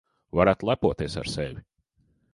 Varat lepoties ar sevi.